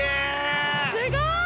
すごい！